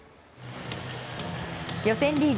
予選リーグ